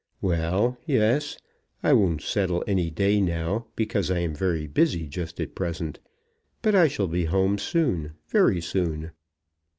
"Well, yes; I won't settle any day now, because I am very busy just at present. But I shall be home soon, very soon."